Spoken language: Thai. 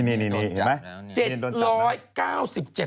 นี่เห็นไหม